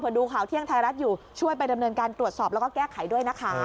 ดูข่าวเที่ยงไทยรัฐอยู่ช่วยไปดำเนินการตรวจสอบแล้วก็แก้ไขด้วยนะคะ